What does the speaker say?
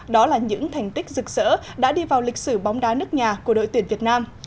đó là những thành tích rực rỡ đã đi vào lịch sử bóng đá nước nhà của đội tuyển việt nam